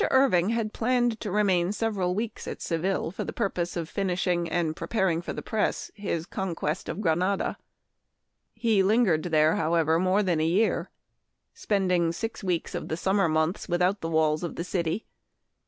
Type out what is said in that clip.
IRVING had planned to remain sev L » 1 eral weeks at Seville for the purpose of finishing and preparing for the press his " Con quest of Granada." He lingered here, however, more than a year, spending six weeks of the summer months without the walls of the city.